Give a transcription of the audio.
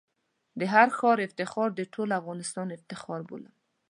د هر ښار افتخار د ټول افغانستان افتخار بولم.